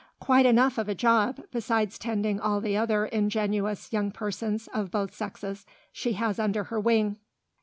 Quite enough of a job, besides tending all the other ingenuous young persons of both sexes she has under her wing."